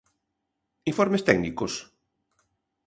¿Informes técnicos?